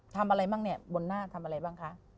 ทำอะไรบ้างเนี่ยบนหน้าทำอะไรบ้างคะ